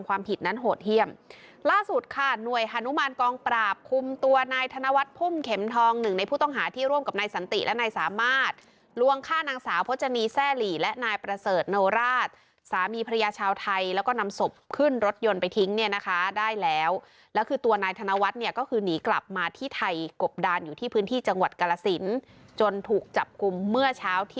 ว่าหน่วยฮานุมานกองปราบคุมตัวนายธนวัฒน์พุ่มเข็มทองหนึ่งในผู้ต้องหาที่ร่วมกับนายสันติและนายสามารถลวงฆ่านางสาวโภจนีแซ่หลีและนายประเสริฐโนราชสามีภรรยาชาวไทยแล้วก็นำศพขึ้นรถยนต์ไปทิ้งเนี่ยนะคะได้แล้วแล้วคือตัวนายธนวัฒน์เนี่ยก็คือนีกลับมาที่ไทยกบดานอยู่ที่พื้